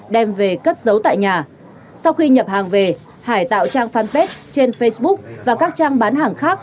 đất giấu tại nhà sau khi nhập hàng về hải tạo trang fanpage trên facebook và các trang bán hàng khác